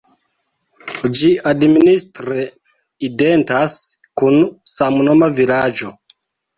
Ĝi administre identas kun samnoma vilaĝo.